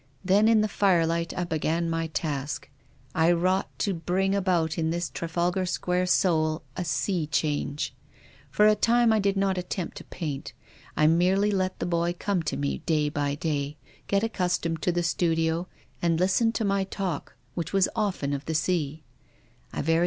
Then in the firelight I began my task. I wrought to bring about in this Trafalgar Square soul a sea change. For a time I did not attempt to paint. I merely let the boy come to mc day by day, get accustomed to the studio, and listen to my talk — which was often of the sea, I very